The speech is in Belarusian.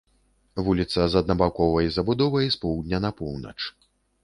Вуліца з аднабаковай забудовай з поўдня на поўнач.